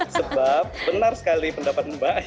sebab benar sekali pendapat mbak